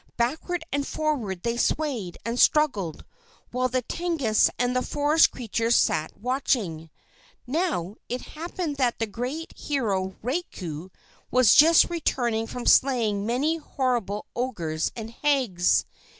Backward and forward they swayed, and struggled, while the Tengus and the forest creatures sat watching. Now, it happened that the great Hero Raiko was just returning from slaying many horrible ogres and hags.